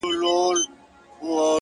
ښه ملګري ښه اغېز پرېږدي,